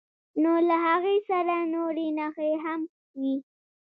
نو له هغې سره نورې نښې هم وي.